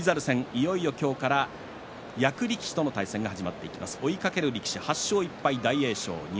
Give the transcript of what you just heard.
いよいよ今日から役力士との対戦が始まります。